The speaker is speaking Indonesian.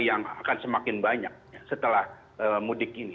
yang akan semakin banyak setelah mudik ini